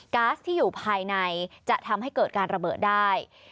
๊าซที่อยู่ภายในจะทำให้เกิดการระเบิดได้